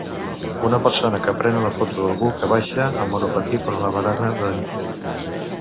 Una persona que pren una foto d'algú que baixa amb monopatí per la barana de nit.